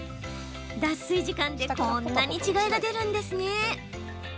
脱水時間でこんなに違いが出るんですね。